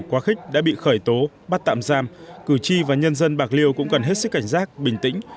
quá khích đã bị khởi tố bắt tạm giam cử tri và nhân dân bạc liêu cũng cần hết sức cảnh giác bình tĩnh